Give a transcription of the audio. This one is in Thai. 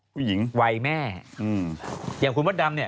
ผู้หญิงเวยแม่อย่างคุณวัดดำเนี่ย